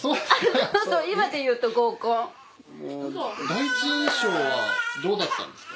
第一印象はどうだったんですか？